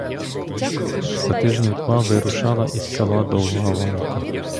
За тижнів два вирушала із села довга валка.